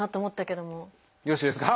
よろしいですか？